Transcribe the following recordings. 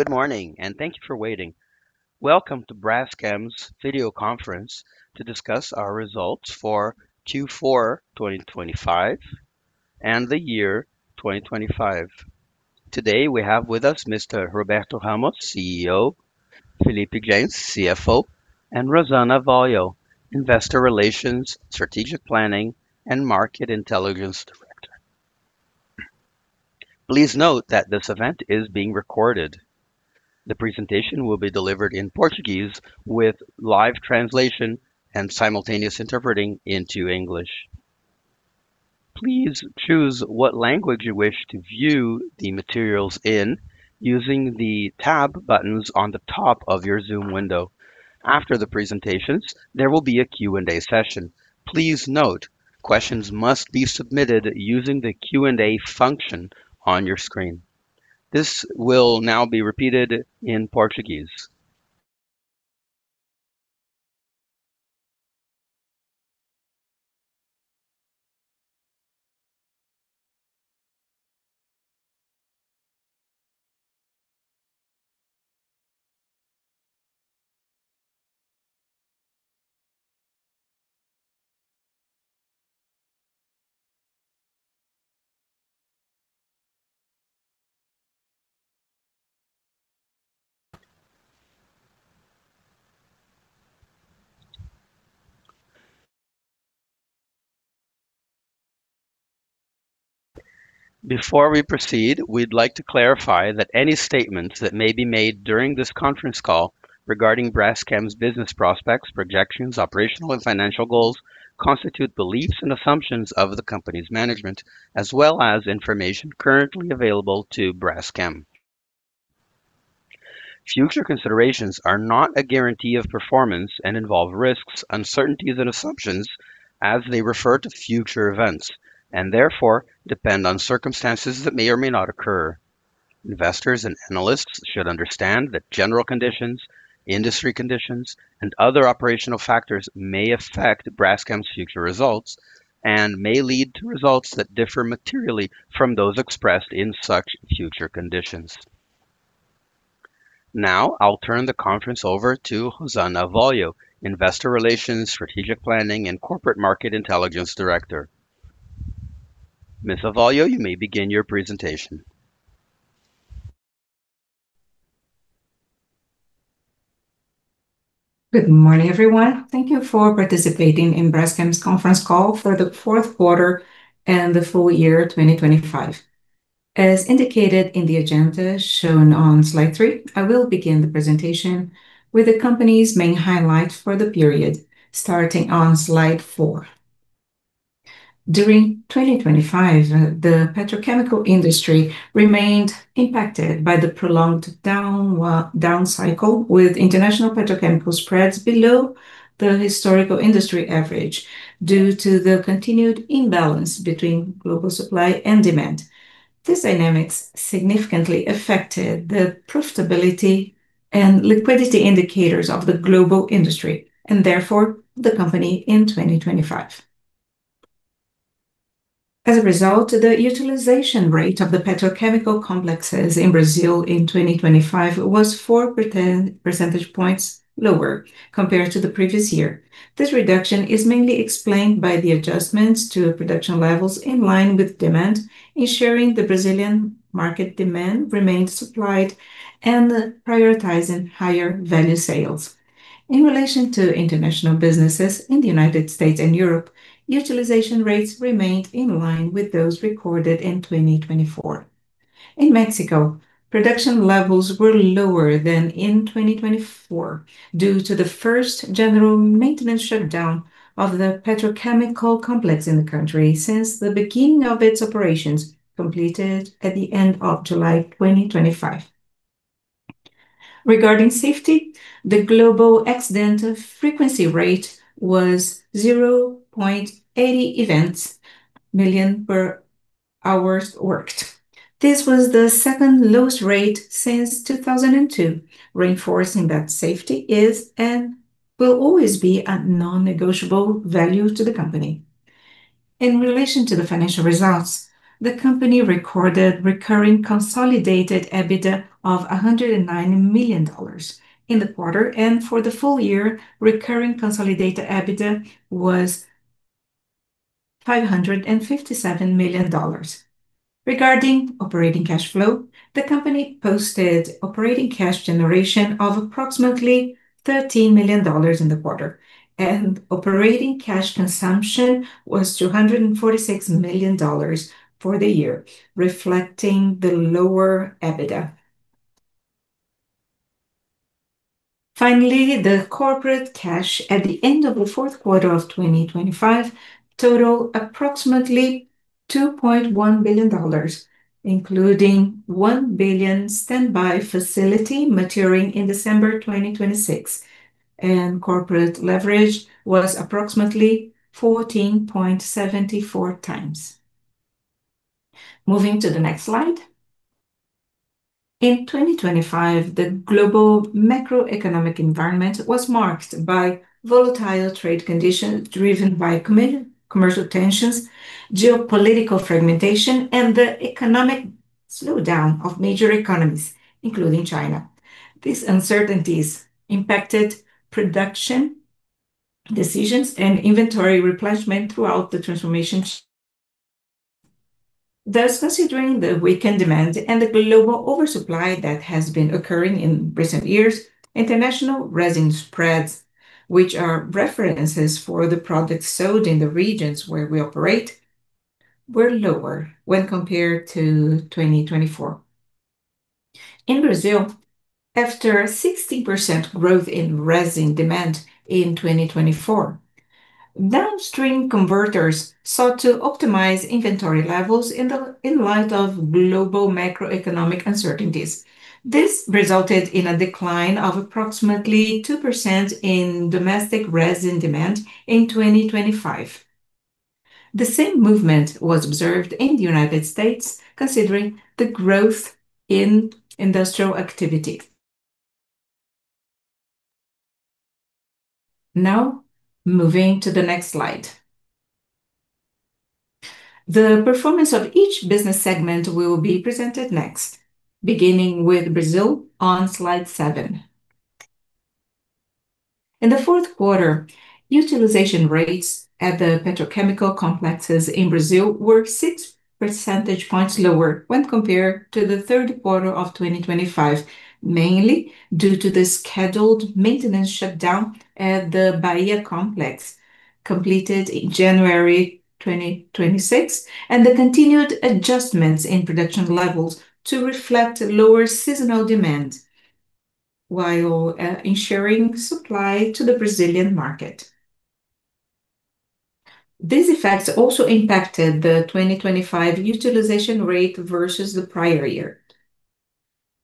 Good morning, and thank you for waiting. Welcome to Braskem's video conference to discuss our results for Q4 2025 and the year 2025. Today, we have with us Mr. Roberto Ramos, CEO, Felipe Jens, CFO, and Rosana Avolio, Investor Relations, Strategic Planning, and Market Intelligence Director. Please note that this event is being recorded. The presentation will be delivered in Portuguese with live translation and simultaneous interpreting into English. Please choose what language you wish to view the materials in using the tab buttons on the top of your Zoom window. After the presentations, there will be a Q&A session. Please note, questions must be submitted using the Q&A function on your screen. This will now be repeated in Portuguese. Before we proceed, we'd like to clarify that any statements that may be made during this conference call regarding Braskem's business prospects, projections, operational and financial goals, constitute beliefs and assumptions of the company's management as well as information currently available to Braskem. Future considerations are not a guarantee of performance and involve risks, uncertainties, and assumptions as they refer to future events, and therefore depend on circumstances that may or may not occur. Investors and analysts should understand that general conditions, industry conditions, and other operational factors may affect Braskem's future results and may lead to results that differ materially from those expressed in such future conditions. Now, I'll turn the conference over to Rosana Avolio, Investor Relations, Strategic Planning, and Market Intelligence Director. Ms. Avolio, you may begin your presentation. Good morning, everyone. Thank you for participating in Braskem's conference call for the fourth quarter and the full year 2025. As indicated in the agenda shown on slide three, I will begin the presentation with the company's main highlights for the period, starting on slide four. During 2025, the petrochemical industry remained impacted by the prolonged down cycle with international petrochemical spreads below the historical industry average due to the continued imbalance between global supply and demand. These dynamics significantly affected the profitability and liquidity indicators of the global industry, and therefore the company in 2025. As a result, the utilization rate of the petrochemical complexes in Brazil in 2025 was 4 percentage points lower compared to the previous year. This reduction is mainly explained by the adjustments to production levels in line with demand, ensuring the Brazilian market demand remains supplied and prioritizing higher value sales. In relation to international businesses in the United States and Europe, utilization rates remained in line with those recorded in 2024. In Mexico, production levels were lower than in 2024 due to the first general maintenance shutdown of the petrochemical complex in the country since the beginning of its operations, completed at the end of July 2025. Regarding safety, the global accident frequency rate was 0.80 events million per hours worked. This was the second lowest rate since 2002, reinforcing that safety is and will always be a non-negotiable value to the company. In relation to the financial results, the company recorded recurring consolidated EBITDA of $109 million in the quarter, and for the full year, recurring consolidated EBITDA was $557 million. Regarding operating cash flow, the company posted operating cash generation of approximately $13 million in the quarter, and operating cash consumption was $246 million for the year, reflecting the lower EBITDA. Finally, the corporate cash at the end of the fourth quarter of 2025 totaled approximately $2.1 billion, including $1 billion standby facility maturing in December 2026, and corporate leverage was approximately 14.74x. Moving to the next slide. In 2025, the global macroeconomic environment was marked by volatile trade conditions driven by commercial tensions, geopolitical fragmentation, and the economic slowdown of major economies, including China. These uncertainties impacted production decisions and inventory replenishment throughout the transformation. Thus, considering the weakened demand and the global oversupply that has been occurring in recent years, international resin spreads, which are references for the products sold in the regions where we operate, were lower when compared to 2024. In Brazil, after 60% growth in resin demand in 2024, downstream converters sought to optimize inventory levels in light of global macroeconomic uncertainties. This resulted in a decline of approximately 2% in domestic resin demand in 2025. The same movement was observed in the United States considering the growth in industrial activity. Now, moving to the next slide. The performance of each business segment will be presented next, beginning with Brazil on slide seven. In the fourth quarter, utilization rates at the petrochemical complexes in Brazil were 6 percentage points lower when compared to the third quarter of 2025, mainly due to the scheduled maintenance shutdown at the Bahia complex completed in January 2026, and the continued adjustments in production levels to reflect lower seasonal demand, while ensuring supply to the Brazilian market. These effects also impacted the 2025 utilization rate versus the prior year.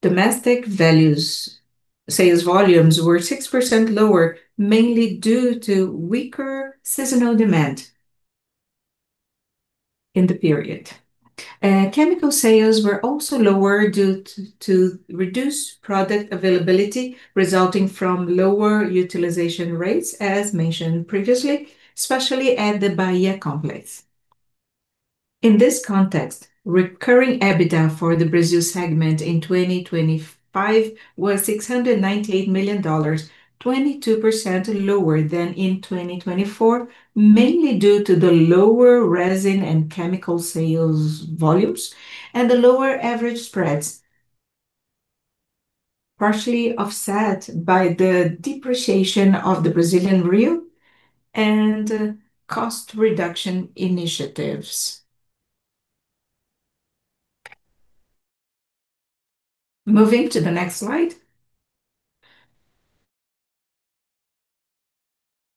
Domestic sales volumes were 6% lower, mainly due to weaker seasonal demand in the period. Chemical sales were also lower due to reduced product availability resulting from lower utilization rates, as mentioned previously, especially at the Bahia complex. In this context, recurring EBITDA for the Brazil Segment in 2025 was $698 million, 22% lower than in 2024, mainly due to the lower resin and chemical sales volumes and the lower average spreads, partially offset by the depreciation of the Brazilian real and cost reduction initiatives. Moving to the next slide.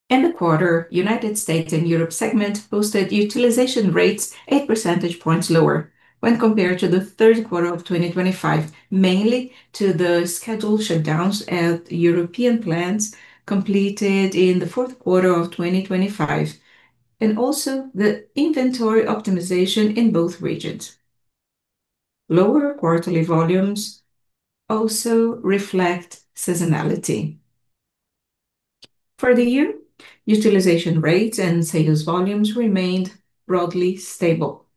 In the quarter, U.S. and Europe Segment posted utilization rates 8 percentage points lower when compared to the third quarter of 2025, mainly due to the scheduled shutdowns at European plants completed in the fourth quarter of 2025, and also the inventory optimization in both regions. Lower quarterly volumes also reflect seasonality. For the year, utilization rates and sales volumes remained broadly stable.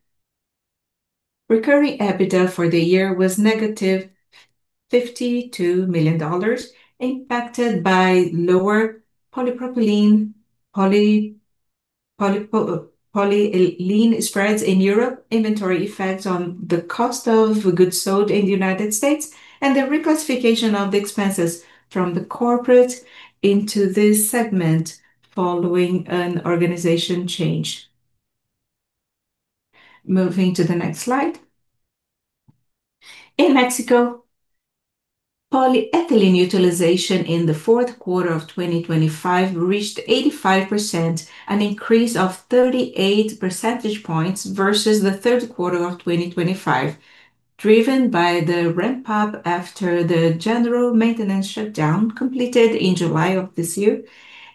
Recurring EBITDA for the year was -$52 million, impacted by lower Polypropylene Polyethylene spreads in Europe, inventory effects on the cost of goods sold in the U.S. and the reclassification of the expenses from the corporate into this segment following an organization change. Moving to the next slide. In Mexico, Polyethylene utilization in the fourth quarter of 2025 reached 85%, an increase of 38 percentage points versus the third quarter of 2025, driven by the ramp-up after the general maintenance shutdown completed in July of this year,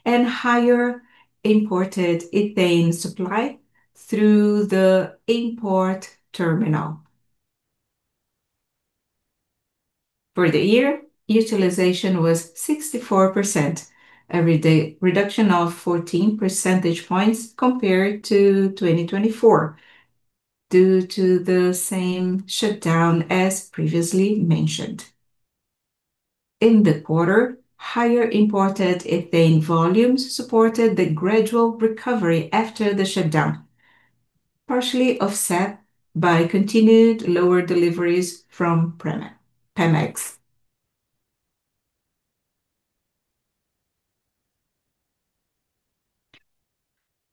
and higher imported ethane supply through the import terminal. For the year, utilization was 64%, a reduction of 14 percentage points compared to 2024 due to the same shutdown as previously mentioned. In the quarter, higher imported ethane volumes supported the gradual recovery after the shutdown, partially offset by continued lower deliveries from Pemex.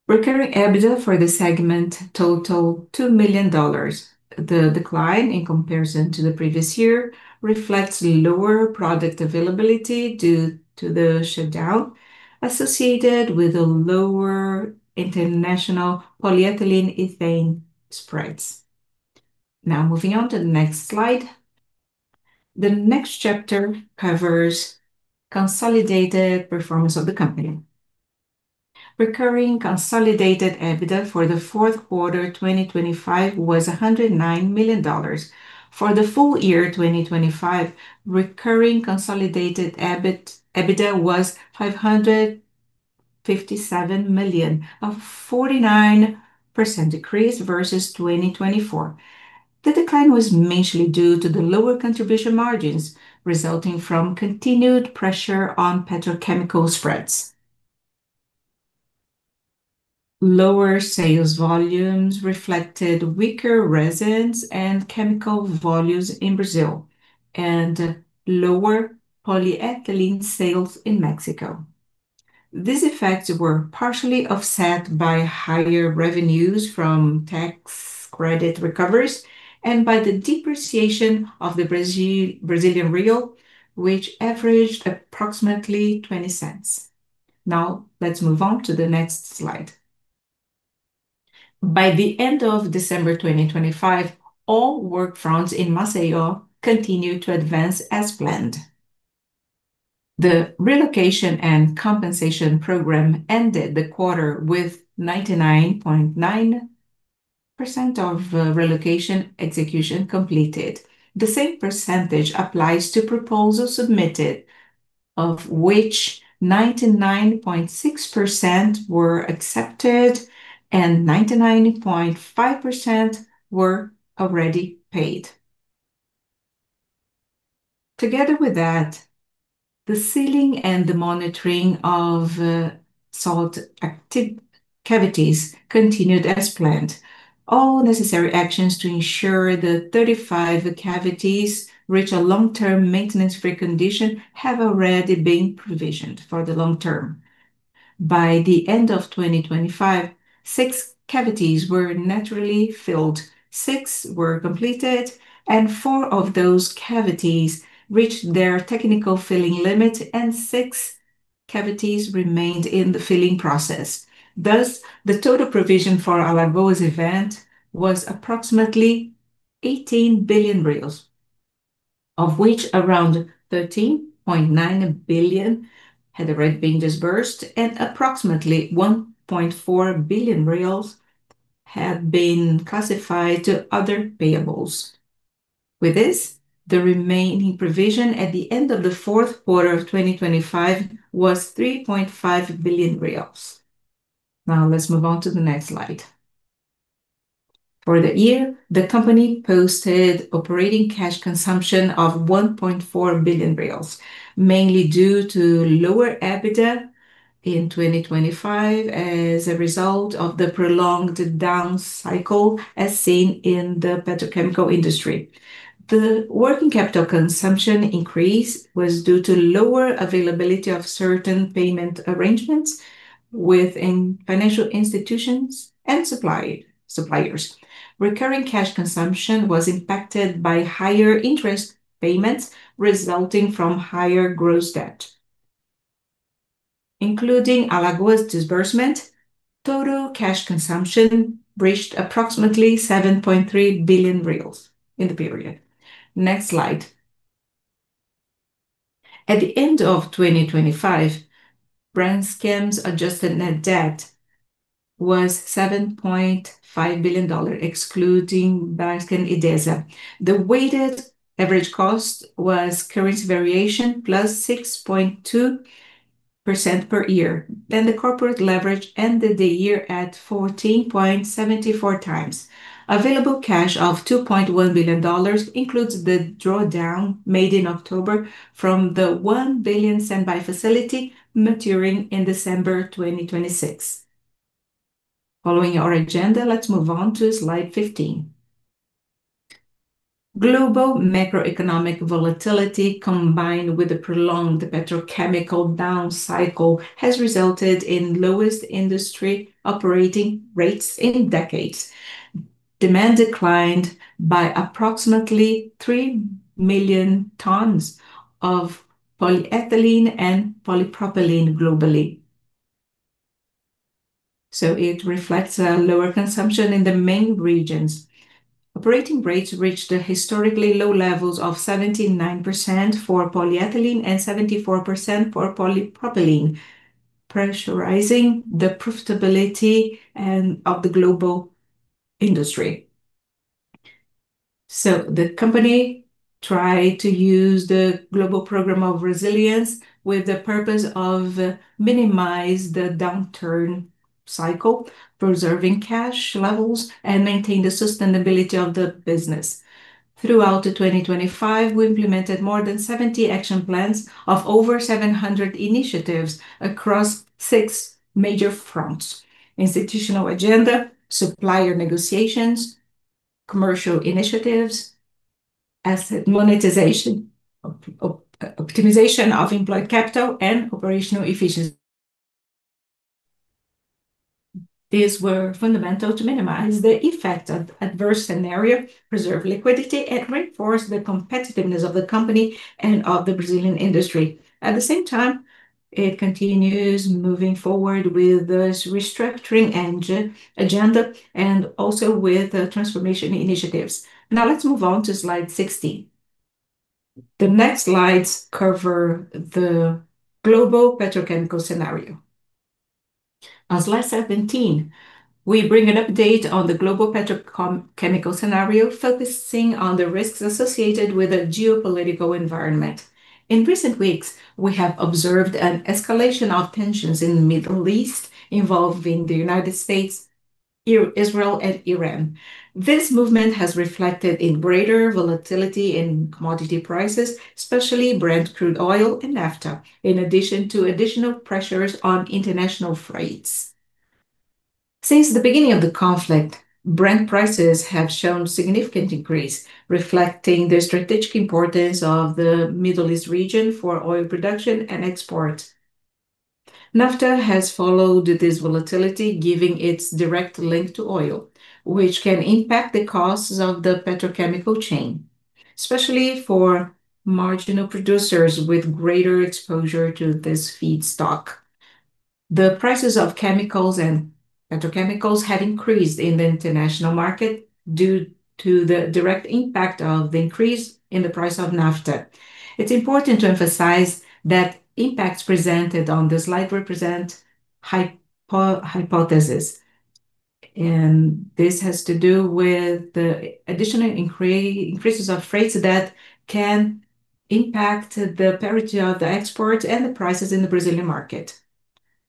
Recurring EBITDA for the segment totaled $2 million. The decline in comparison to the previous year reflects lower product availability due to the shutdown associated with the lower international Polyethylene ethane spreads. Now, moving on to the next slide. The next chapter covers consolidated performance of the company. Recurring consolidated EBITDA for the fourth quarter 2025 was $109 million. For the full year 2025, recurring consolidated EBITDA was $557 million, a 49% decrease versus 2024. The decline was mainly due to the lower contribution margins resulting from continued pressure on petrochemical spreads. Lower sales volumes reflected weaker resins and chemical volumes in Brazil, and lower Polyethylene sales in Mexico. These effects were partially offset by higher revenues from tax credit recovers and by the depreciation of the Brazilian real, which averaged approximately $0.20. Now, let's move on to the next slide. By the end of December 2025, all work fronts in Maceió continued to advance as planned. The relocation and compensation program ended the quarter with 99.9% of relocation execution completed. The same percentage applies to proposals submitted, of which 99.6% were accepted and 99.5% were already paid. Together with that, the sealing and the monitoring of salt cavities continued as planned. All necessary actions to ensure the 35 cavities reach a long-term maintenance-free condition have already been provisioned for the long term. By the end of 2025, six cavities were naturally filled, six were completed, and four of those cavities reached their technical filling limit, and six cavities remained in the filling process. Thus, the total provision for Alagoas event was approximately 18 billion reais, of which around 13.9 billion had already been disbursed, and approximately 1.4 billion reais have been classified to other payables. With this, the remaining provision at the end of the fourth quarter of 2025 was BRL 3.5 billion. Now, let's move on to the next slide. For the year, the company posted operating cash consumption of 1.4 billion reais, mainly due to lower EBITDA in 2025 as a result of the prolonged down cycle as seen in the petrochemical industry. The working capital consumption increase was due to lower availability of certain payment arrangements within financial institutions and suppliers. Recurring cash consumption was impacted by higher interest payments resulting from higher gross debt. Including Alagoas disbursement, total cash consumption reached approximately 7.3 billion reais in the period. Next slide. At the end of 2025, Braskem's adjusted net debt was $7.5 billion, excluding Braskem Idesa. The weighted average cost was currency variation +6.2% per year. The corporate leverage ended the year at 14.74x. Available cash of $2.1 billion includes the drawdown made in October from the $1 billion standby facility maturing in December 2026. Following our agenda, let's move on to slide 15. Global macroeconomic volatility, combined with the prolonged petrochemical down cycle, has resulted in lowest industry operating rates in decades. Demand declined by approximately 3 million tons of Polyethylene and Polypropylene globally. It reflects a lower consumption in the main regions. Operating rates reached the historically low levels of 79% for Polyethylene and 74% for Polypropylene, pressurizing the profitability and of the global industry. The company try to use the global program of resilience with the purpose of minimize the downturn cycle, preserving cash levels, and maintain the sustainability of the business. Throughout 2025, we implemented more than 70 action plans of over 700 initiatives across six major fronts, institutional agenda, supplier negotiations, commercial initiatives, asset monetization, optimization of employed capital, and operational efficiency. These were fundamental to minimize the effect of adverse scenario, preserve liquidity, and reinforce the competitiveness of the company and of the Brazilian industry. At the same time, it continues moving forward with this restructuring agenda, and also with the transformation initiatives. Now, let's move on to slide 16. The next slides cover the global petrochemical scenario. On slide 17, we bring an update on the global petrochemical scenario, focusing on the risks associated with the geopolitical environment. In recent weeks, we have observed an escalation of tensions in the Middle East involving the U.S., Israel and Iran. This movement has reflected in greater volatility in commodity prices, especially Brent crude oil and naphtha, in addition to additional pressures on international freights. Since the beginning of the conflict, Brent prices have shown significant increase, reflecting the strategic importance of the Middle East region for oil production and export. Naphtha has followed this volatility, giving its direct link to oil, which can impact the costs of the petrochemical chain, especially for marginal producers with greater exposure to this feedstock. The prices of chemicals and petrochemicals have increased in the international market due to the direct impact of the increase in the price of naphtha. It's important to emphasize that impacts presented on this slide represent hypothesis, and this has to do with the additional increases of freights that can impact the parity of the export and the prices in the Brazilian market.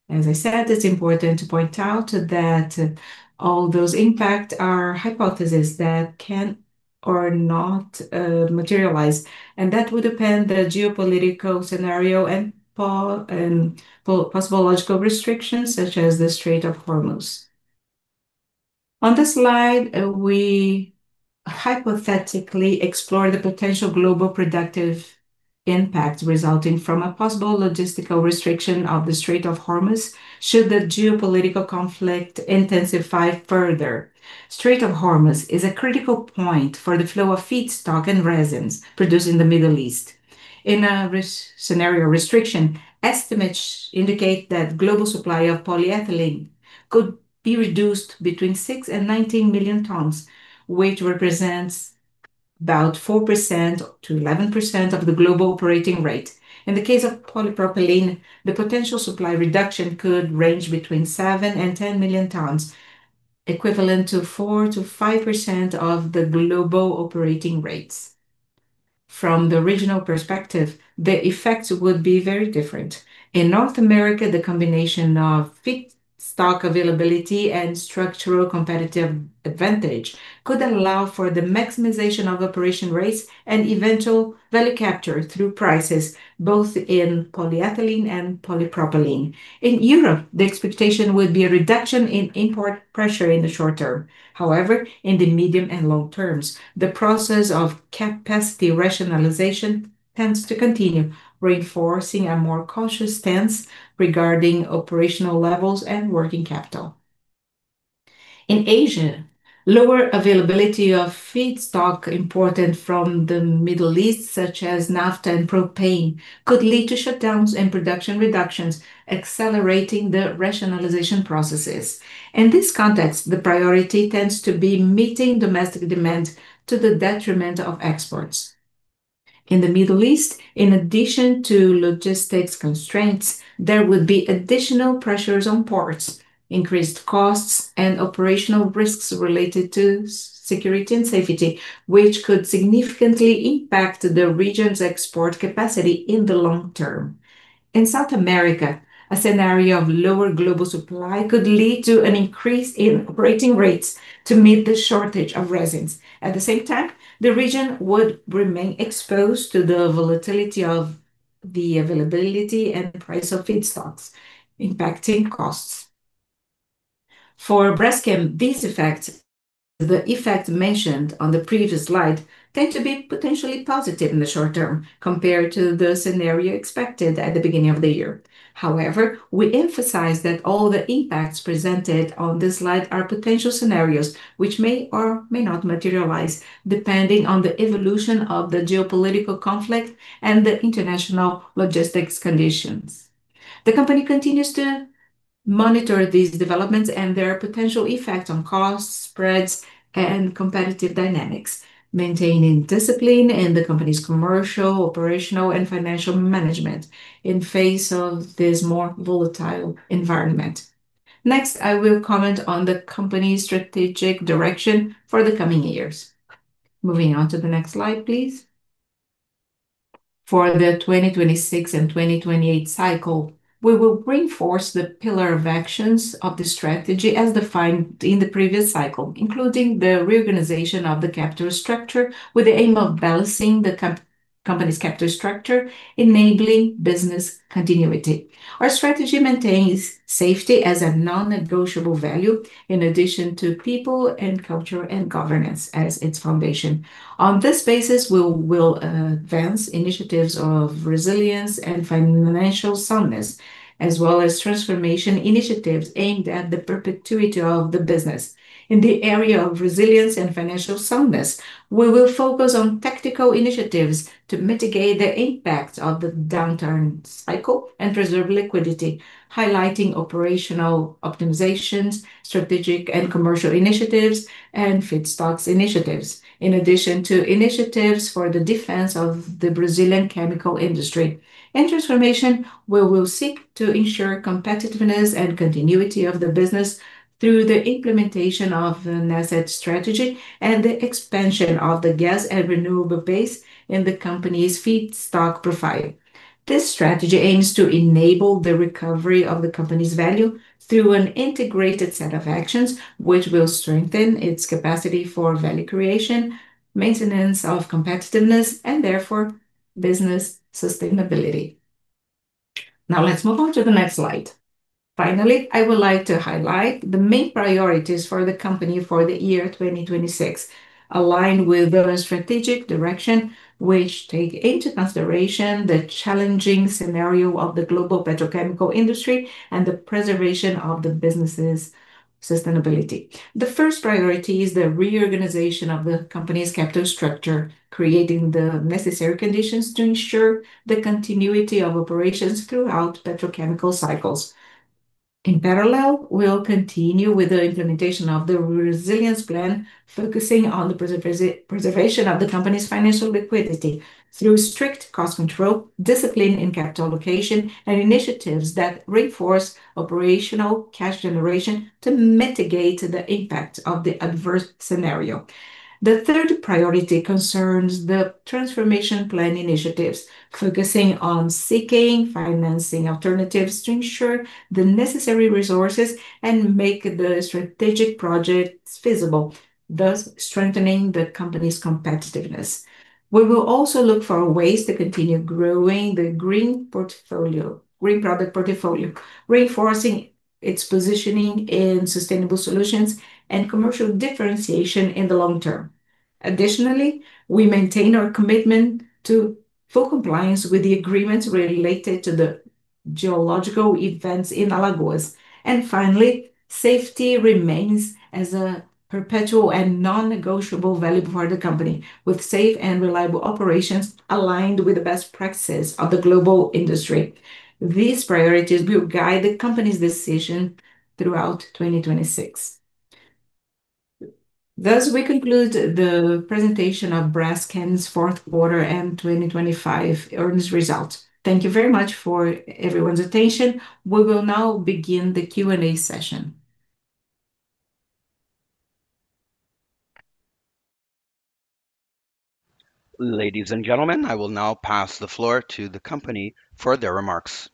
As I said, it's important to point out that all those impact are hypothesis that can or not materialize, and that would depend the geopolitical scenario and possible logistical restrictions such as the Strait of Hormuz. On this slide, we hypothetically explore the potential global productive impact resulting from a possible logistical restriction of the Strait of Hormuz should the geopolitical conflict intensify further. The Strait of Hormuz is a critical point for the flow of feedstock and resins produced in the Middle East. In a restriction scenario, estimates indicate that global supply of Polyethylene could be reduced between 6 million and 19 million tons, which represents about 4% to 11% of the global operating rate. In the case of Polypropylene, the potential supply reduction could range between 7 million and 10 million tons, equivalent to 4% to 5% of the global operating rates. From the regional perspective, the effects would be very different. In North America, the combination of feedstock availability and structural competitive advantage could allow for the maximization of operating rates and eventual value capture through prices, both in Polyethylene and Polypropylene. In Europe, the expectation would be a reduction in import pressure in the short term. However, in the medium and long terms, the process of capacity rationalization tends to continue, reinforcing a more cautious stance regarding operational levels and working capital. In Asia, lower availability of feedstock imported from the Middle East, such as naphtha and propane, could lead to shutdowns and production reductions, accelerating the rationalization processes. In this context, the priority tends to be meeting domestic demand to the detriment of exports. In the Middle East, in addition to logistics constraints, there would be additional pressures on ports, increased costs and operational risks related to security and safety, which could significantly impact the region's export capacity in the long term. In South America, a scenario of lower global supply could lead to an increase in operating rates to meet the shortage of resins. At the same time, the region would remain exposed to the volatility of the availability and price of feedstocks impacting costs. For Braskem, these effects, the effects mentioned on the previous slide tend to be potentially positive in the short term compared to the scenario expected at the beginning of the year. However, we emphasize that all the impacts presented on this slide are potential scenarios which may or may not materialize depending on the evolution of the geopolitical conflict and the international logistics conditions. The company continues to monitor these developments and their potential effects on costs, spreads, and competitive dynamics, maintaining discipline in the company's commercial, operational, and financial management in face of this more volatile environment. Next, I will comment on the company's strategic direction for the coming years. Moving on to the next slide, please. For the 2026 and 2028 cycle, we will reinforce the pillar of actions of the strategy as defined in the previous cycle, including the reorganization of the capital structure with the aim of balancing the company's capital structure, enabling business continuity. Our strategy maintains safety as a non-negotiable value in addition to people and culture and governance as its foundation. On this basis, we will advance initiatives of resilience and financial soundness, as well as transformation initiatives aimed at the perpetuity of the business. In the area of resilience and financial soundness, we will focus on tactical initiatives to mitigate the impact of the downturn cycle and preserve liquidity, highlighting operational optimizations, strategic and commercial initiatives, and feedstocks initiatives, in addition to initiatives for the defense of the Brazilian chemical industry. In transformation, we will seek to ensure competitiveness and continuity of the business through the implementation of an asset strategy and the expansion of the gas and renewable base in the company's feedstock profile. This strategy aims to enable the recovery of the company's value through an integrated set of actions, which will strengthen its capacity for value creation, maintenance of competitiveness, and therefore business sustainability. Now let's move on to the next slide. Finally, I would like to highlight the main priorities for the company for the year 2026, aligned with the strategic direction which take into consideration the challenging scenario of the global petrochemical industry and the preservation of the business' sustainability. The first priority is the reorganization of the company's capital structure, creating the necessary conditions to ensure the continuity of operations throughout petrochemical cycles. In parallel, we'll continue with the implementation of the resilience plan, focusing on the preservation of the company's financial liquidity through strict cost control, discipline in capital allocation, and initiatives that reinforce operational cash generation to mitigate the impact of the adverse scenario. The third priority concerns the transformation plan initiatives, focusing on seeking financing alternatives to ensure the necessary resources and make the strategic projects feasible, thus strengthening the company's competitiveness. We will also look for ways to continue growing the green portfolio, green product portfolio, reinforcing its positioning in sustainable solutions and commercial differentiation in the long term. Additionally, we maintain our commitment to full compliance with the agreements related to the geological events in Alagoas. Finally, safety remains as a perpetual and non-negotiable value for the company. With safe and reliable operations aligned with the best practices of the global industry. These priorities will guide the company's decision throughout 2026. Thus, we conclude the presentation of Braskem's fourth quarter and 2025 earnings results. Thank you very much for everyone's attention. We will now begin the Q&A session. Ladies and gentlemen, I will now pass the floor to the company for their remarks.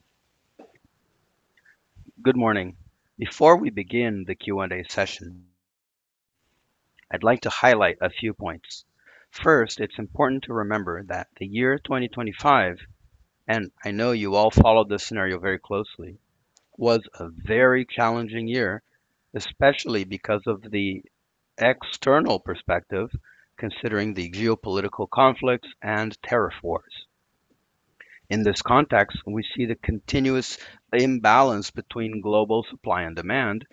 Good morning. Before we begin the Q&A session, I'd like to highlight a few points. First, it's important to remember that the year 2025, and I know you all followed this scenario very closely, was a very challenging year, especially because of the external perspective, considering the geopolitical conflicts and tariff wars. In this context, we see the continuous imbalance between global supply and demand,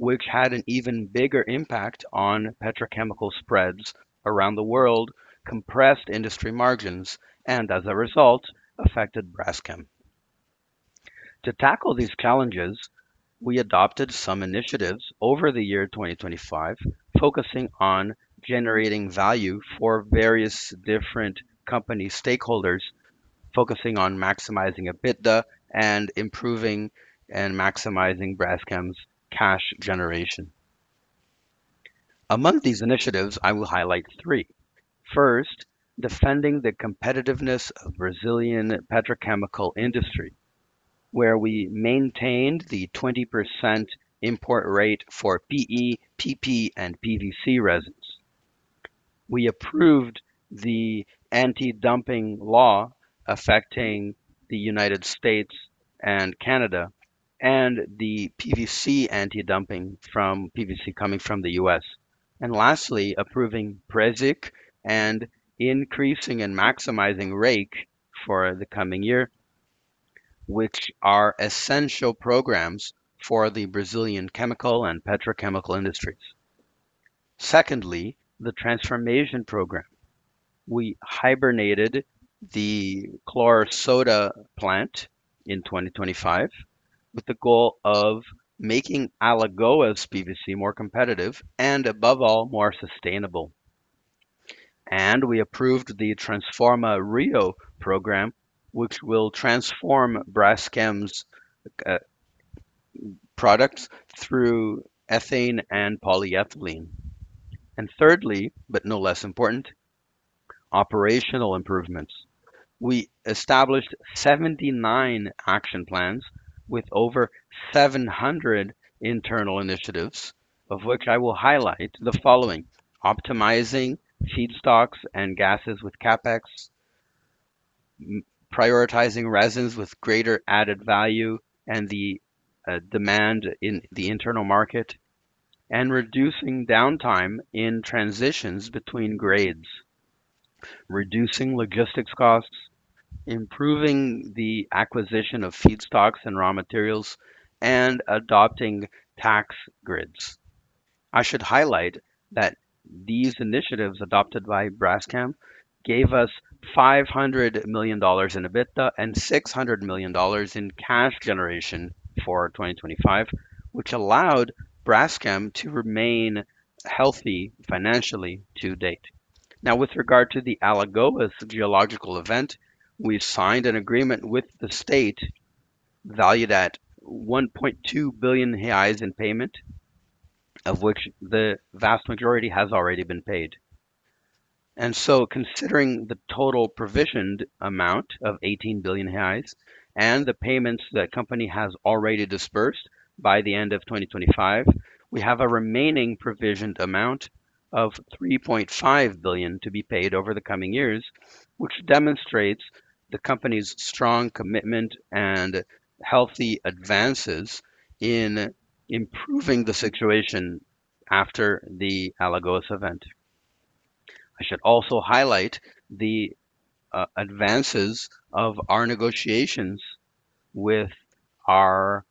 which had an even bigger impact on petrochemical spreads around the world, compressed industry margins, and as a result, affected Braskem. To tackle these challenges, we adopted some initiatives over the year 2025, focusing on generating value for various different company stakeholders, focusing on maximizing EBITDA, and improving and maximizing Braskem's cash generation. Among these initiatives, I will highlight three. First, defending the competitiveness of Brazilian petrochemical industry, where we maintained the 20% import rate for PE, PP, and PVC resins. We approved the antidumping law affecting the U.S. and Canada, and the PVC antidumping from PVC coming from the U.S. Lastly, approving REIQ and increasing and maximizing REIQ for the coming year, which are essential programs for the Brazilian chemical and petrochemical industries. Secondly, the transformation program. We hibernated the chlor-soda plant in 2025 with the goal of making Alagoas PVC more competitive and above all, more sustainable. We approved the Transforma Rio program, which will transform Braskem's products through ethane and Polyethylene. Thirdly, but no less important, operational improvements. We established 79 action plans with over 700 internal initiatives, of which I will highlight the following: optimizing feedstocks and gases with CapEx, prioritizing resins with greater added value and the demand in the internal market, and reducing downtime in transitions between grades, reducing logistics costs, improving the acquisition of feedstocks and raw materials, and adopting tax grids. I should highlight that these initiatives adopted by Braskem gave us $500 million in EBITDA and $600 million in cash generation for 2025, which allowed Braskem to remain healthy financially to date. Now, with regard to the Alagoas geological event, we've signed an agreement with the state valued at 1.2 billion reais in payment, of which the vast majority has already been paid. Considering the total provisioned amount of 18 billion reais and the payments the company has already disbursed by the end of 2025, we have a remaining provisioned amount of 3.5 billion to be paid over the coming years, which demonstrates the company's strong commitment and healthy advances in improving the situation after the Alagoas event. I should also highlight the advances of our negotiations with our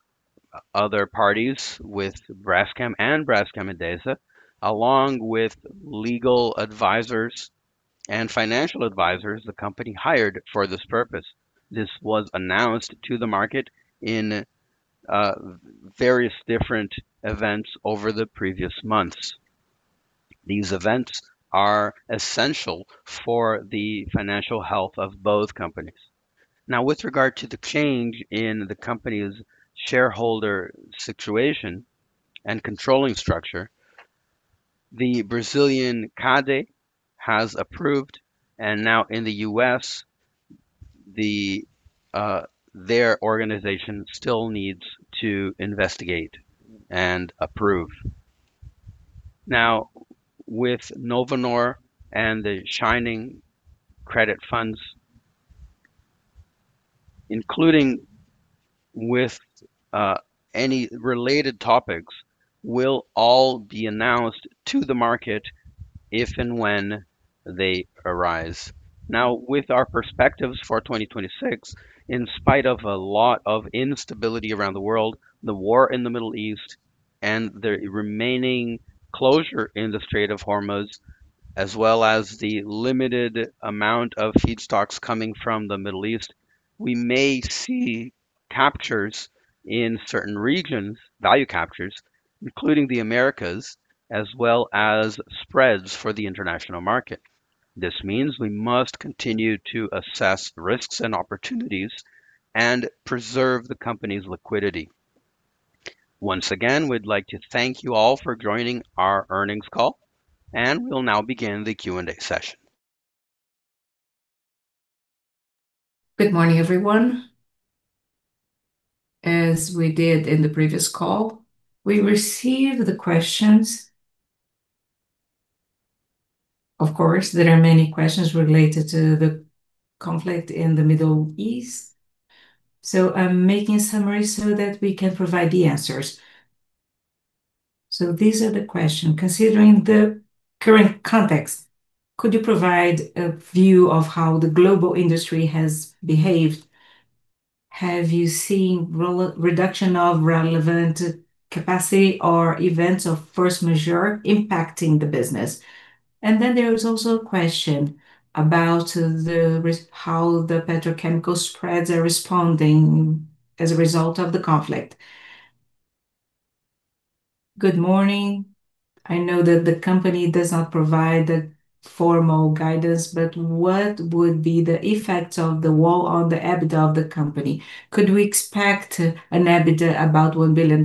other parties, with Braskem and Braskem Idesa, along with legal advisors and financial advisors the company hired for this purpose. This was announced to the market in various different events over the previous months. These events are essential for the financial health of both companies. With regard to the change in the company's shareholder situation and controlling structure, the Brazilian CADE has approved, and now in the U.S., their organization still needs to investigate and approve. With Novonor and the Shinhan credit funds, including with any related topics, will all be announced to the market if and when they arise. With our perspectives for 2026, in spite of a lot of instability around the world, the war in the Middle East, and the remaining closure in the Strait of Hormuz, as well as the limited amount of feedstocks coming from the Middle East, we may see captures in certain regions, value captures, including the Americas, as well as spreads for the international market. This means we must continue to assess risks and opportunities and preserve the company's liquidity. Once again, we'd like to thank you all for joining our earnings call, and we'll now begin the Q&A session. Good morning, everyone. As we did in the previous call, we received the questions. Of course, there are many questions related to the conflict in the Middle East. I'm making a summary so that we can provide the answers. These are the question. Considering the current context, could you provide a view of how the global industry has behaved? Have you seen reduction of relevant capacity or events of force majeure impacting the business? Then there is also a question about how the petrochemical spreads are responding as a result of the conflict. Good morning. I know that the company does not provide a formal guidance, but what would be the effects of the war on the EBITDA of the company? Could we expect an EBITDA about $1 billion?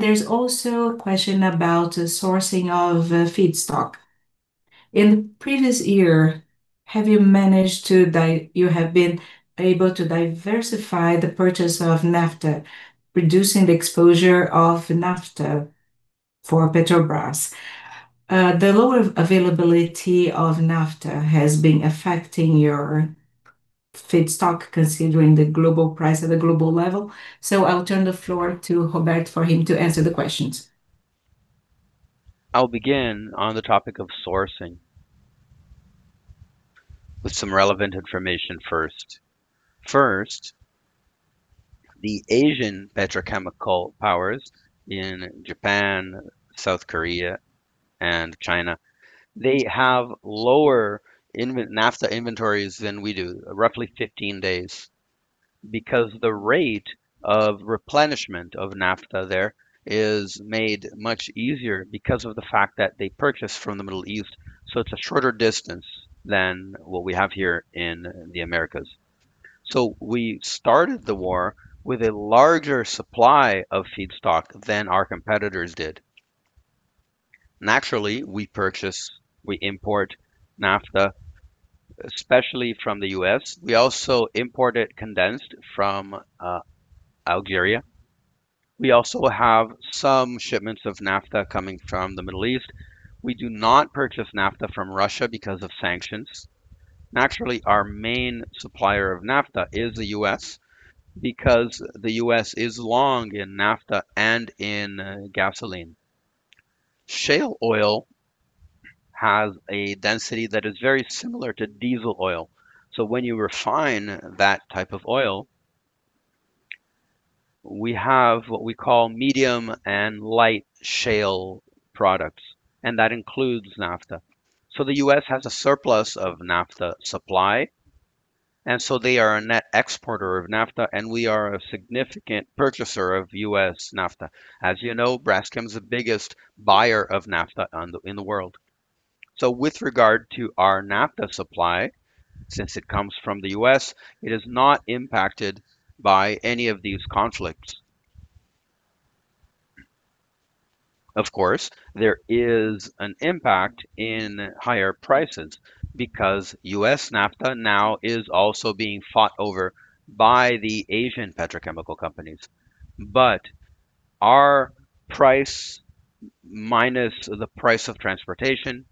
There's also a question about sourcing of feedstock. In the previous year, have you been able to diversify the purchase of naphtha, reducing the exposure of naphtha for Petrobras? The lower availability of naphtha has been affecting your feedstock considering the global price at the global level. I'll turn the floor to Roberto for him to answer the questions. I'll begin on the topic of sourcing with some relevant information first. First, the Asian petrochemical powers in Japan, South Korea, and China, they have lower naphtha inventories than we do, roughly 15 days, because the rate of replenishment of naphtha there is made much easier because of the fact that they purchase from the Middle East, so it's a shorter distance than what we have here in the Americas. We started the war with a larger supply of feedstock than our competitors did. Naturally, we purchase, we import naphtha, especially from the U.S. We also import it condensate from Algeria. We also have some shipments of naphtha coming from the Middle East. We do not purchase naphtha from Russia because of sanctions. Naturally, our main supplier of naphtha is the U.S. because the U.S. is long in naphtha and in gasoline. Shale oil has a density that is very similar to diesel oil. When you refine that type of oil, we have what we call medium and light shale products, and that includes naphtha. The U.S. has a surplus of naphtha supply, and they are a net exporter of naphtha, and we are a significant purchaser of U.S. naphtha. As you know, Braskem is the biggest buyer of naphtha in the world. With regard to our naphtha supply, since it comes from the U.S., it is not impacted by any of these conflicts. Of course, there is an impact in higher prices because U.S. naphtha now is also being fought over by the Asian petrochemical companies. Our price minus the price of transportation,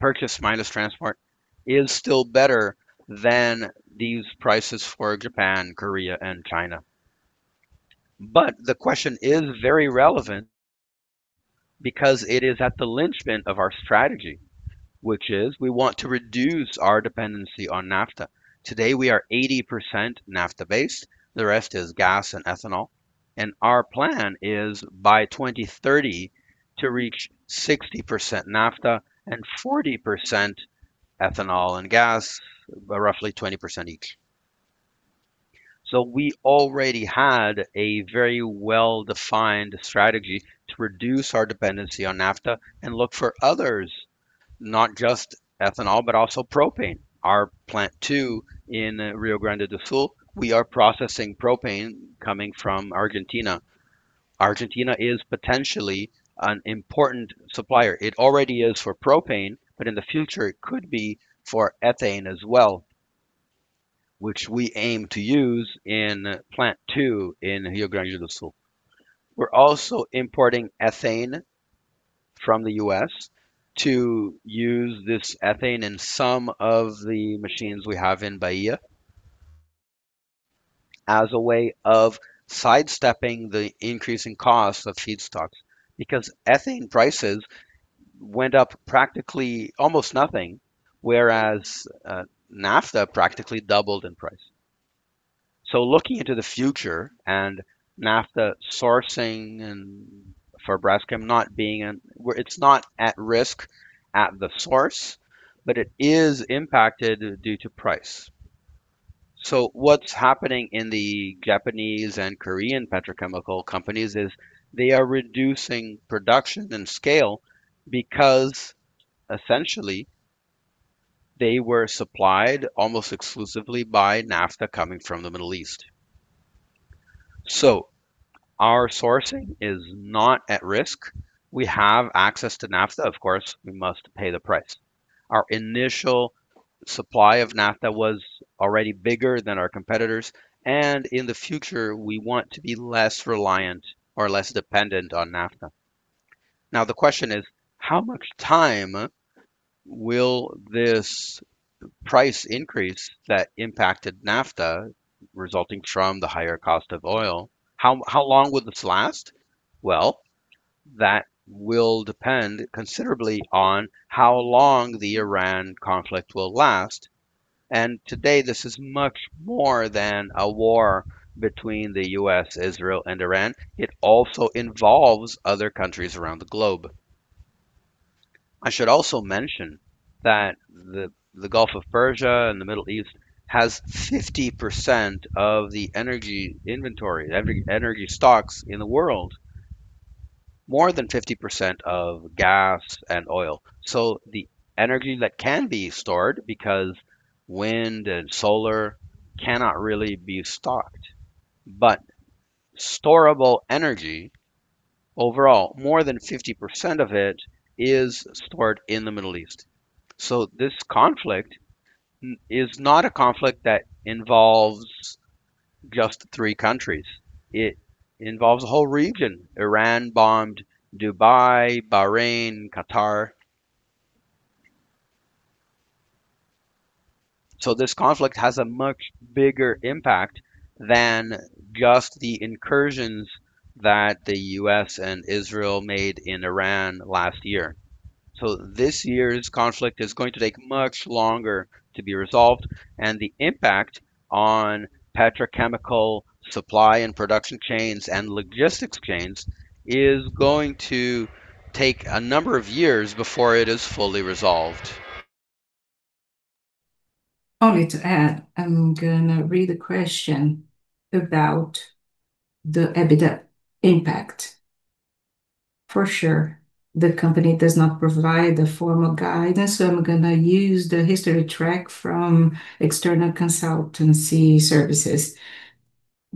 purchase minus transport, is still better than these prices for Japan, Korea, and China. The question is very relevant because it is at the linchpin of our strategy, which is we want to reduce our dependency on naphtha. Today, we are 80% naphtha-based. The rest is gas and ethanol. Our plan is by 2030 to reach 60% naphtha and 40% ethanol and gas, roughly 20% each. We already had a very well-defined strategy to reduce our dependency on naphtha and look for others, not just ethanol, but also propane. Our plant two in Rio Grande do Sul, we are processing propane coming from Argentina. Argentina is potentially an important supplier. It already is for propane, but in the future, it could be for ethane as well, which we aim to use in plant two in Rio Grande do Sul. We're also importing ethane from the U.S. to use this ethane in some of the machines we have in Bahia as a way of sidestepping the increasing cost of feedstocks, because ethane prices went up practically almost nothing, whereas, naphtha practically doubled in price. Looking into the future and naphtha sourcing and for Braskem not being where it's not at risk at the source, but it is impacted due to price. What's happening in the Japanese and Korean petrochemical companies is they are reducing production and scale because essentially they were supplied almost exclusively by naphtha coming from the Middle East. Our sourcing is not at risk. We have access to naphtha. Of course, we must pay the price. Our initial supply of naphtha was already bigger than our competitors, and in the future, we want to be less reliant or less dependent on naphtha. Now, the question is, how much time will this price increase that impacted naphtha resulting from the higher cost of oil, how long would it last? Well, that will depend considerably on how long the Iran conflict will last. Today, this is much more than a war between the U.S., Israel, and Iran. It also involves other countries around the globe. I should also mention that the Persian Gulf and the Middle East has 50% of the energy inventory, every energy stocks in the world, more than 50% of gas and oil. The energy that can be stored because wind and solar cannot really be stocked. Storable energy, overall, more than 50% of it is stored in the Middle East. This conflict is not a conflict that involves just three countries. It involves a whole region. Iran bombed Dubai, Bahrain, Qatar. This conflict has a much bigger impact than just the incursions that the U.S. and Israel made in Iran last year. This year's conflict is going to take much longer to be resolved, and the impact on petrochemical supply and production chains and logistics chains is going to take a number of years before it is fully resolved. Only to add, I'm gonna read a question about the EBITDA impact. For sure, the company does not provide the formal guidance, so I'm gonna use the history track from external consultancy services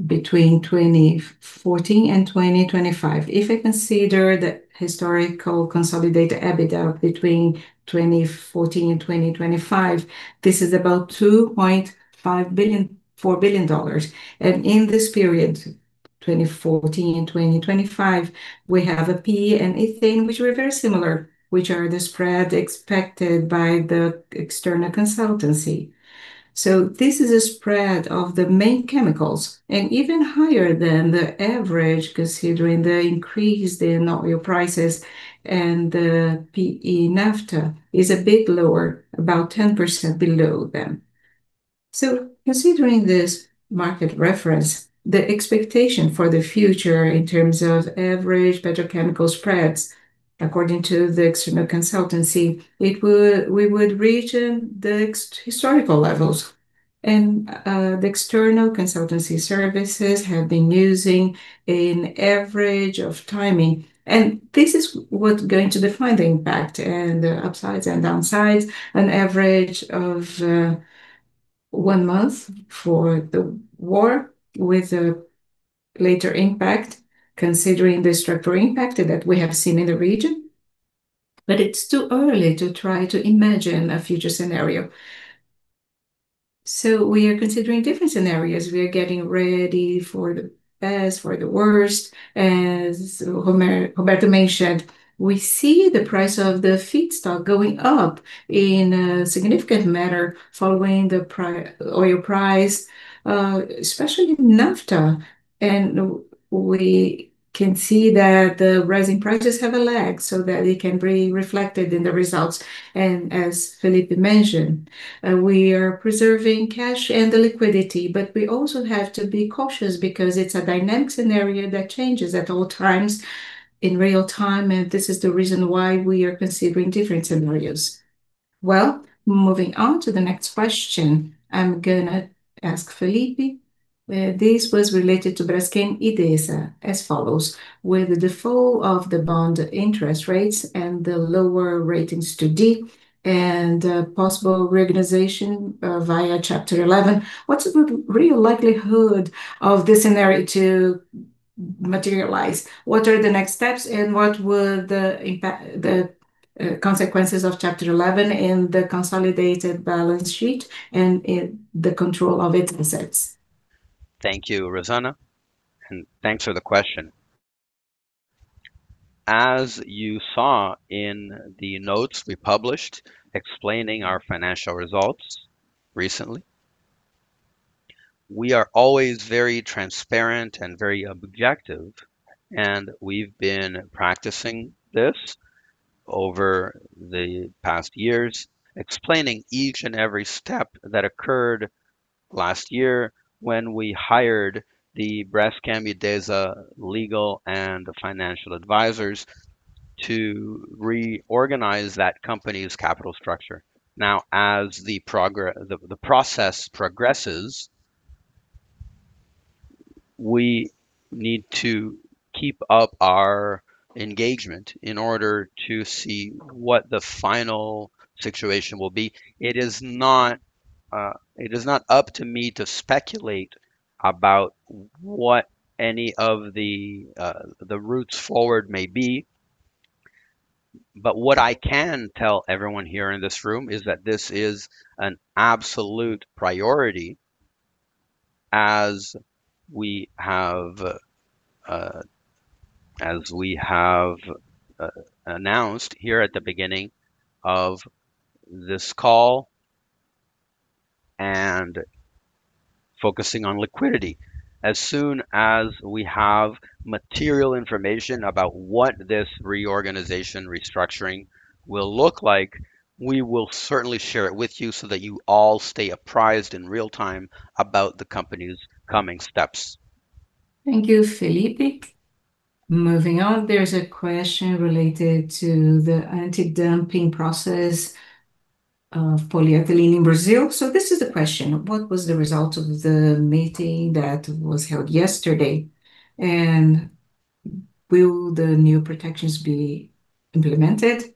between 2014 and 2025. If I consider the historical consolidated EBITDA between 2014 and 2025, this is about $2.5 billion to $4 billion. In this period, 2014 and 2025, we have a PE and ethane which were very similar, which are the spread expected by the external consultancy. This is a spread of the main chemicals, and even higher than the average considering the increase in oil prices and the PE, naphtha is a bit lower, about 10% below them. Considering this market reference, the expectation for the future in terms of average petrochemical spreads according to the external consultancy, we would reach historical levels. The external consultancy services have been using an average of timing. This is what's going to define the impact and the upsides and downsides, an average of one month for the war with a later impact considering the structural impact that we have seen in the region. It's too early to try to imagine a future scenario. We are considering different scenarios. We are getting ready for the best, for the worst. As Roberto mentioned, we see the price of the feedstock going up in a significant manner following the prior oil price, especially in naphtha. We can see that the rising prices have a lag, so that it can be reflected in the results. As Felipe mentioned, we are preserving cash and the liquidity, but we also have to be cautious because it's a dynamic scenario that changes at all times in real time, and this is the reason why we are considering different scenarios. Well, moving on to the next question, I'm gonna ask Felipe. This was related to Braskem Idesa as follows. With the fall of the bond interest rates and the lower ratings to D and a possible reorganization via Chapter 11, what's the real likelihood of this scenario to materialize? What are the next steps and what would the impact, the consequences of Chapter 11 in the consolidated balance sheet and in the control of its assets? Thank you, Rosana, and thanks for the question. As you saw in the notes we published explaining our financial results recently, we are always very transparent and very objective, and we've been practicing this over the past years, explaining each and every step that occurred last year when we hired the Braskem Idesa legal and the financial advisors to reorganize that company's capital structure. Now, as the process progresses, we need to keep up our engagement in order to see what the final situation will be. It is not up to me to speculate about what any of the routes forward may be, but what I can tell everyone here in this room is that this is an absolute priority as we have announced here at the beginning of this call and focusing on liquidity. As soon as we have material information about what this reorganization restructuring will look like, we will certainly share it with you so that you all stay apprised in real time about the company's coming steps. Thank you, Felipe. Moving on, there's a question related to the anti-dumping process of Polyethylene in Brazil. This is the question. What was the result of the meeting that was held yesterday? Will the new protections be implemented?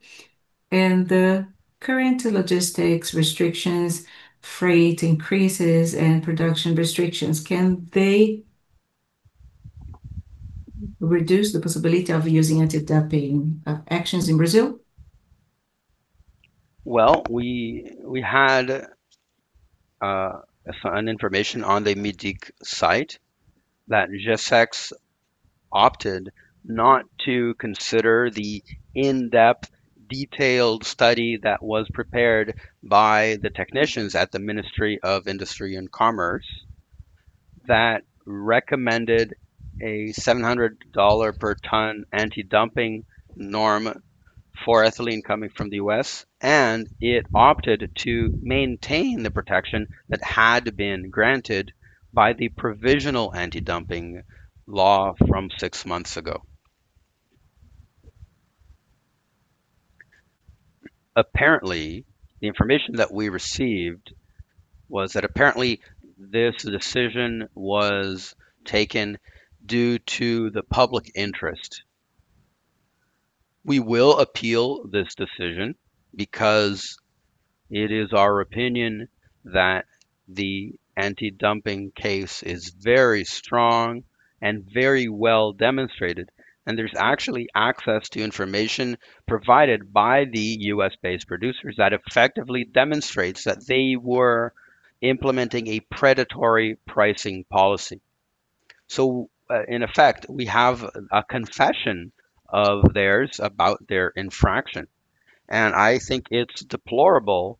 The current logistics restrictions, freight increases and production restrictions, can they reduce the possibility of using anti-dumping actions in Brazil? Well, we had found information on the MDIC site that GECEX opted not to consider the in-depth detailed study that was prepared by the technicians at the Ministry of Industry and Commerce that recommended a $700 per ton anti-dumping norm for ethylene coming from the U.S., and it opted to maintain the protection that had been granted by the provisional anti-dumping law from six months ago. Apparently, the information that we received was that apparently this decision was taken due to the public interest. We will appeal this decision because it is our opinion that the anti-dumping case is very strong and very well demonstrated, and there's actually access to information provided by the U.S.-based producers that effectively demonstrates that they were implementing a predatory pricing policy. In effect, we have a confession of theirs about their infraction, and I think it's deplorable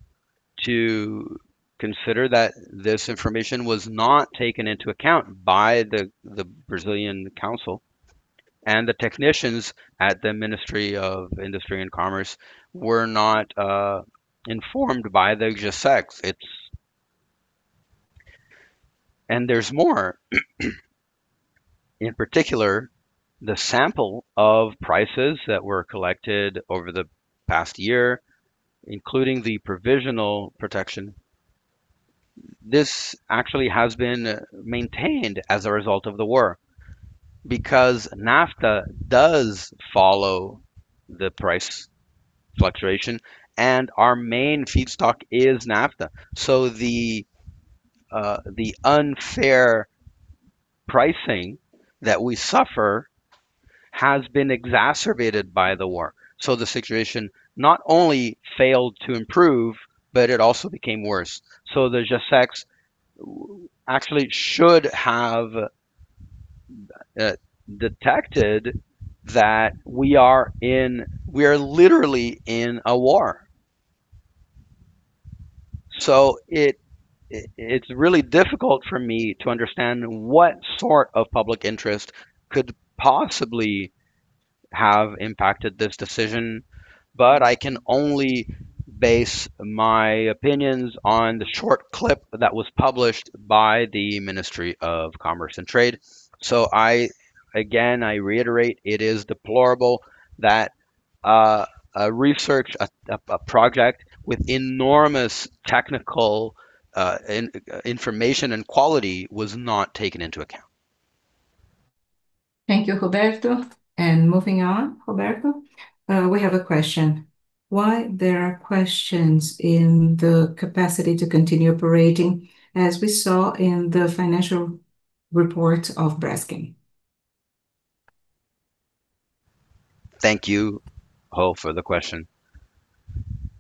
to consider that this information was not taken into account by the Brazilian council and the technicians at the Ministry of Industry and Commerce were not informed by the GECEX. In particular, the sample of prices that were collected over the past year, including the provisional protection, this actually has been maintained as a result of the war because naphtha does follow the price fluctuation, and our main feedstock is naphtha. The unfair pricing that we suffer has been exacerbated by the war. The situation not only failed to improve, but it also became worse. The GECEX actually should have detected that we are literally in a war. It's really difficult for me to understand what sort of public interest could possibly have impacted this decision, but I can only base my opinions on the short clip that was published by the Ministry of Commerce and Trade, so I again reiterate it is deplorable that a research project with enormous technical information and quality was not taken into account. Thank you, Roberto. Moving on, Roberto, we have a question. Why are there questions in the capacity to continue operating as we saw in the financial report of Braskem? Thank you, all for the question.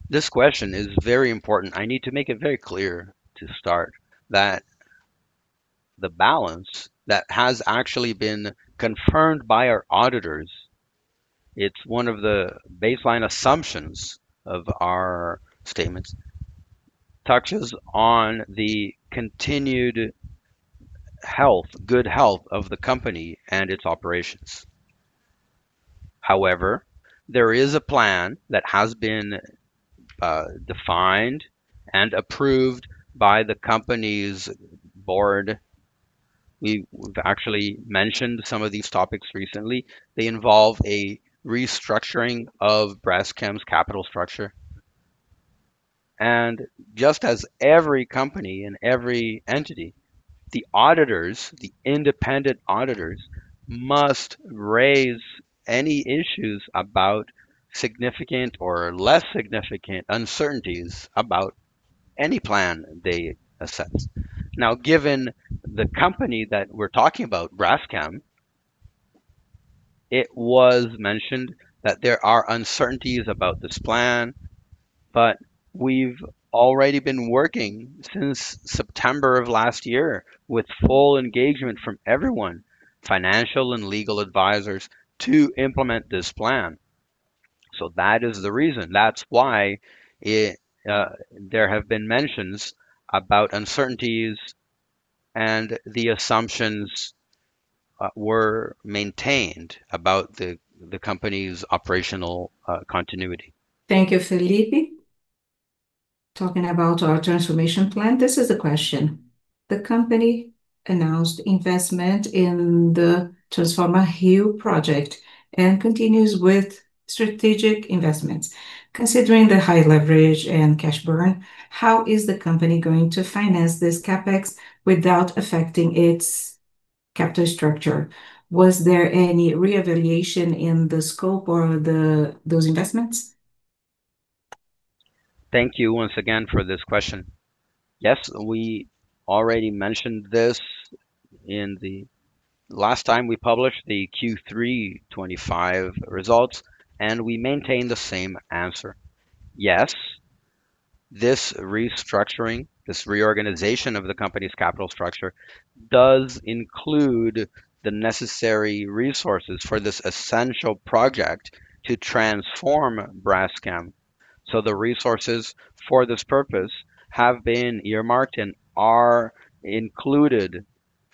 This question is very important. I need to make it very clear to start that the balance that has actually been confirmed by our auditors, it's one of the baseline assumptions of our statements, touches on the continued health, good health of the company and its operations. However, there is a plan that has been defined and approved by the company's board. We've actually mentioned some of these topics recently. They involve a restructuring of Braskem's capital structure. Just as every company and every entity, the auditors, the independent auditors must raise any issues about significant or less significant uncertainties about any plan they assess. Now, given the company that we're talking about, Braskem, it was mentioned that there are uncertainties about this plan, but we've already been working since September of last year with full engagement from everyone, financial and legal advisors, to implement this plan. That is the reason. That's why there have been mentions about uncertainties, and the assumptions were maintained about the company's operational continuity. Thank you, Felipe. Talking about our transformation plan, this is the question: The company announced investment in the Transforma Rio project and continues with strategic investments. Considering the high leverage and cash burn, how is the company going to finance this CapEx without affecting its capital structure? Was there any reevaluation in the scope or the, those investments? Thank you once again for this question. Yes, we already mentioned this in the last time we published the Q3 2025 results, and we maintain the same answer. Yes, this restructuring, this reorganization of the company's capital structure does include the necessary resources for this essential project to transform Braskem. The resources for this purpose have been earmarked and are included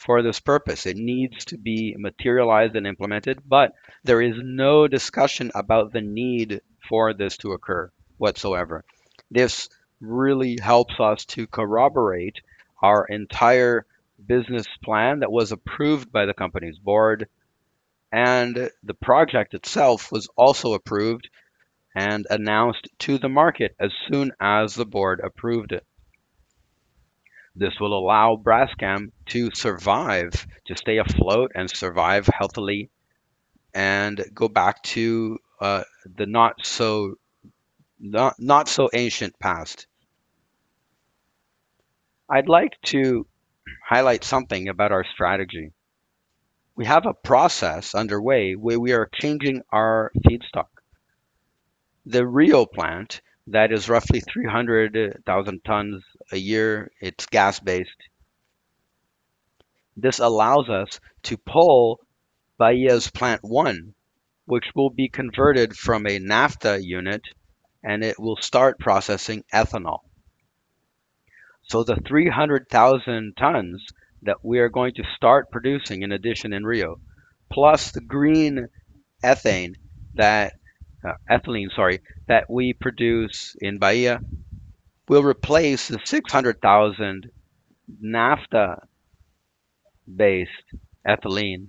for this purpose. It needs to be materialized and implemented, but there is no discussion about the need for this to occur whatsoever. This really helps us to corroborate our entire business plan that was approved by the company's board, and the project itself was also approved and announced to the market as soon as the board approved it. This will allow Braskem to survive, to stay afloat and survive healthily and go back to the not so ancient past. I'd like to highlight something about our strategy. We have a process underway where we are changing our feedstock. The Rio plant that is roughly 300,000 tons a year, it's gas-based. This allows us to pull Bahia's Plant One, which will be converted from a naphtha unit, and it will start processing ethanol. The 300,000 tons that we are going to start producing in addition in Rio, plus the Green Ethylene that we produce in Bahia, will replace the 600,000 naphtha-based ethylene.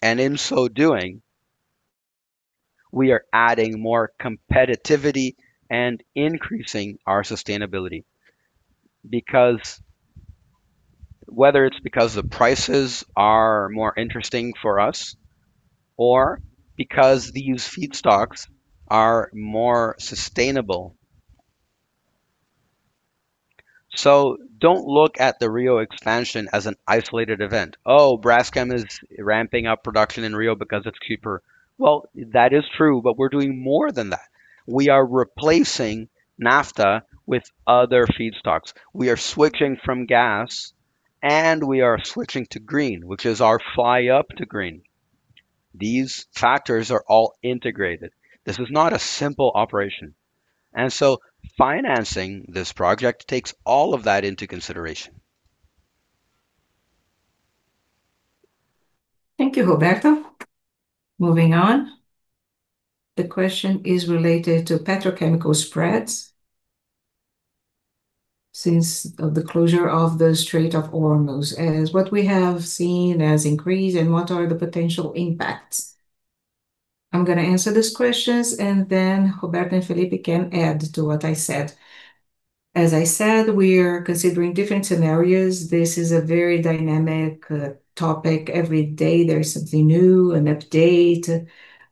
In so doing, we are adding more competitiveness and increasing our sustainability. Because whether it's because the prices are more interesting for us or because these feedstocks are more sustainable. Don't look at the Rio expansion as an isolated event. Oh, Braskem is ramping up production in Rio because it's cheaper. Well, that is true, but we're doing more than that. We are replacing naphtha with other feedstocks. We are switching from gas, and we are switching to green, which is our fly up to green. These factors are all integrated. This is not a simple operation. Financing this project takes all of that into consideration. Thank you, Roberto. Moving on. The question is related to petrochemical spreads since the closure of the Strait of Hormuz, as what we have seen has increased, and what are the potential impacts. I'm gonna answer these questions, and then Roberto and Felipe can add to what I said. As I said, we are considering different scenarios. This is a very dynamic topic. Every day there's something new, an update.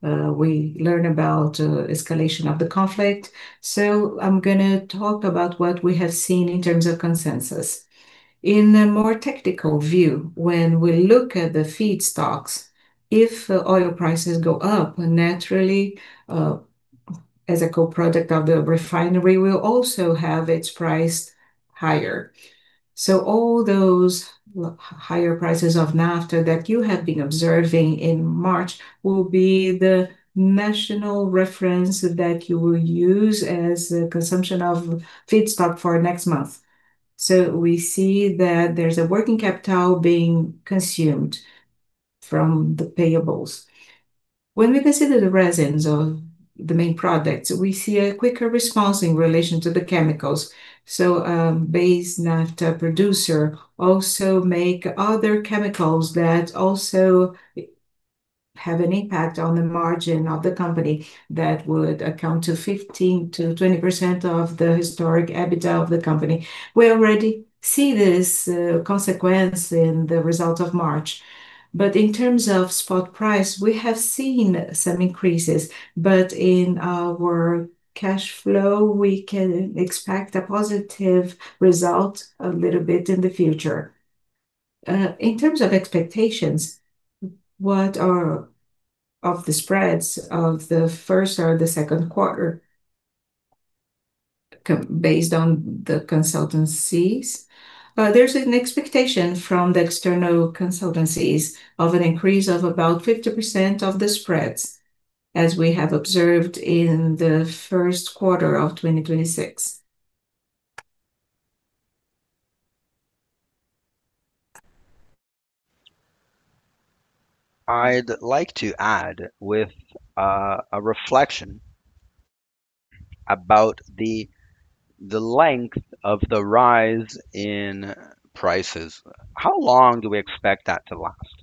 We learn about escalation of the conflict. I'm gonna talk about what we have seen in terms of consensus. In a more technical view, when we look at the feedstocks, if oil prices go up, naturally, as a co-product of the refinery will also have its price higher. All those higher prices of naphtha that you have been observing in March will be the national reference that you will use as the consumption of feedstock for next month. We see that there's a working capital being consumed from the payables. When we consider the resins or the main products, we see a quicker response in relation to the chemicals. Base naphtha producer also make other chemicals that also have an impact on the margin of the company that would account to 15% to 20% of the historic EBITDA of the company. We already see this consequence in the results of March. In terms of spot price, we have seen some increases. In our cash flow, we can expect a positive result a little bit in the future. In terms of expectations, what are the spreads for the first or the second quarter based on the consultancies. There's an expectation from the external consultancies of an increase of about 50% in the spreads, as we have observed in the first quarter of 2026. I'd like to add with a reflection about the length of the rise in prices. How long do we expect that to last?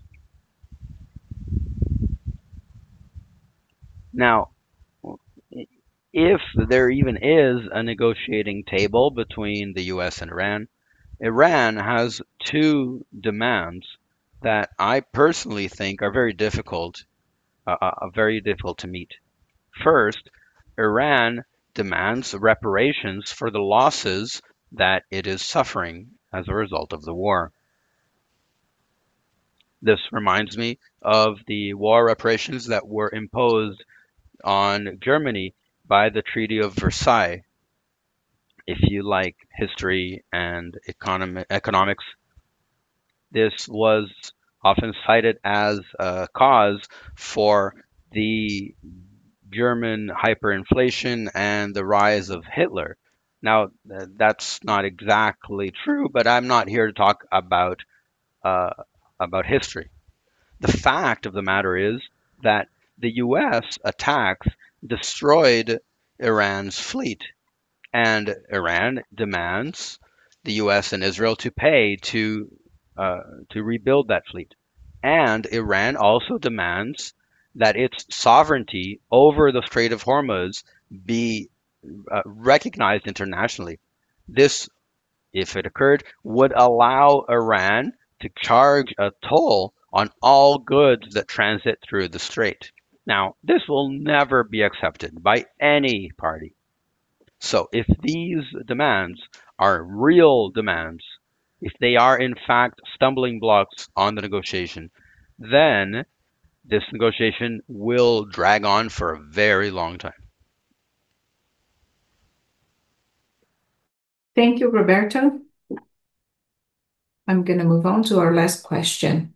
If there even is a negotiating table between the U.S. and Iran has two demands that I personally think are very difficult to meet. First, Iran demands reparations for the losses that it is suffering as a result of the war. This reminds me of the war reparations that were imposed on Germany by the Treaty of Versailles. If you like history and economics, this was often cited as a cause for the German hyperinflation and the rise of Hitler. That's not exactly true, but I'm not here to talk about history. The fact of the matter is that the U.S. attacks destroyed Iran's fleet, and Iran demands the U.S. and Israel to pay to rebuild that fleet. And Iran also demands that its sovereignty over the Strait of Hormuz be recognized internationally. This, if it occurred, would allow Iran to charge a toll on all goods that transit through the Strait. Now, this will never be accepted by any party. If these demands are real demands, if they are in fact stumbling blocks on the negotiation, then this negotiation will drag on for a very long time. Thank you, Roberto. I'm gonna move on to our last question.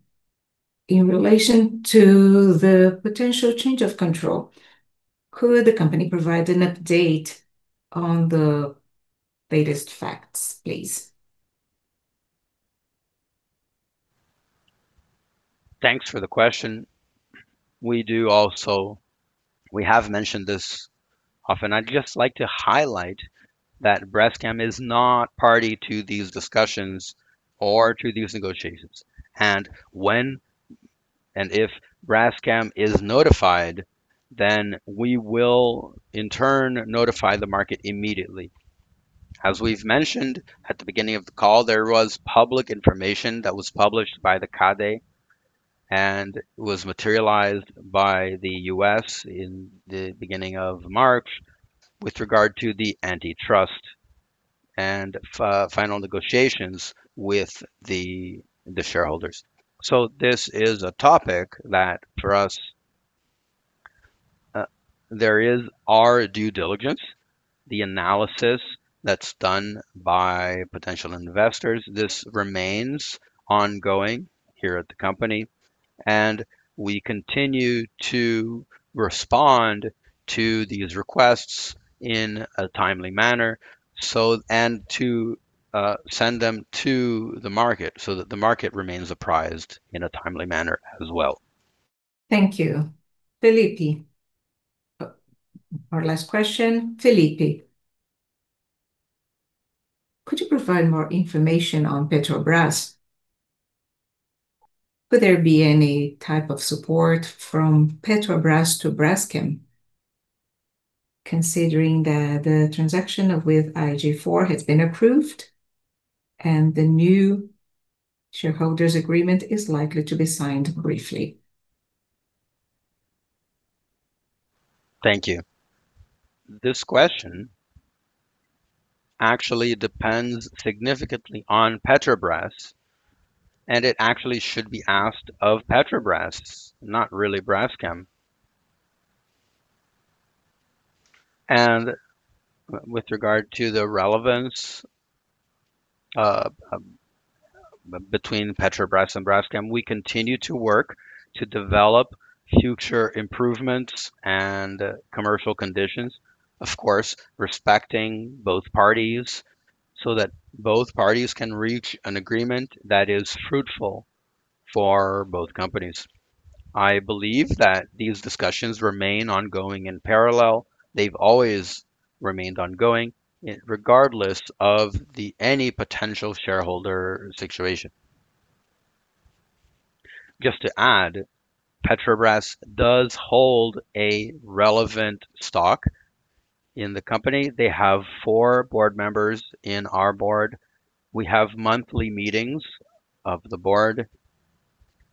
In relation to the potential change of control, could the company provide an update on the latest facts, please? Thanks for the question. We have mentioned this often. I'd just like to highlight that Braskem is not party to these discussions or to these negotiations. When and if Braskem is notified, then we will in turn notify the market immediately. As we've mentioned at the beginning of the call, there was public information that was published by the CADE and was materialized by the U.S. in the beginning of March with regard to the antitrust and final negotiations with the shareholders. This is a topic that for us, there is our due diligence, the analysis that's done by potential investors. This remains ongoing here at the company, and we continue to respond to these requests in a timely manner and to send them to the market so that the market remains apprised in a timely manner as well. Thank you. Felipe. Our last question, Felipe. Could you provide more information on Petrobras? Could there be any type of support from Petrobras to Braskem considering that the transaction with IG4 has been approved and the new shareholders' agreement is likely to be signed briefly? Thank you. This question actually depends significantly on Petrobras, and it actually should be asked of Petrobras, not really Braskem. With regard to the relevance between Petrobras and Braskem, we continue to work to develop future improvements and commercial conditions, of course, respecting both parties so that both parties can reach an agreement that is fruitful for both companies. I believe that these discussions remain ongoing in parallel. They've always remained ongoing regardless of any potential shareholder situation. Just to add, Petrobras does hold a relevant stock in the company. They have four board members in our board. We have monthly meetings of the board,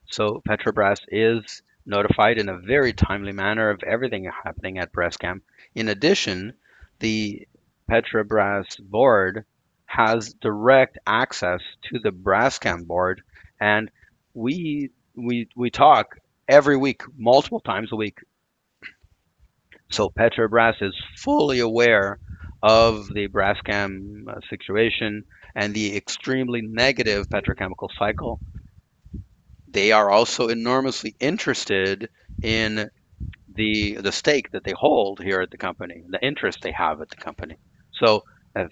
so Petrobras is notified in a very timely manner of everything happening at Braskem. In addition, the Petrobras board has direct access to the Braskem board, and we talk every week, multiple times a week. So, Petrobras is fully aware of the Braskem situation and the extremely negative petrochemical cycle. They are also enormously interested in the stake that they hold here at the company, the interest they have at the company. What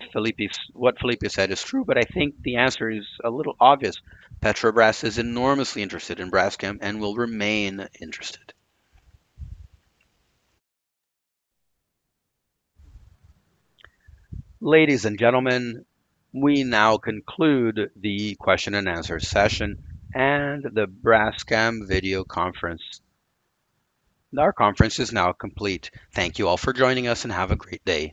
Felipe said is true, but I think the answer is a little obvious. Petrobras is enormously interested in Braskem and will remain interested. Ladies and gentlemen, we now conclude the question and answer session and the Braskem video conference. Our conference is now complete. Thank you all for joining us and have a great day.